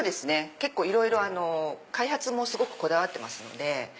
結構いろいろ開発もすごくこだわってますので。